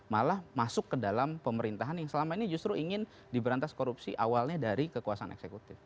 malah masuk ke dalam pemerintahan yang selama ini justru ingin diberantas korupsi awalnya dari kekuasaan eksekutif